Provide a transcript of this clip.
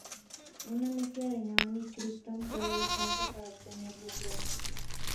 Una mezcla de neón y kriptón puede usarse para obtener luz verde.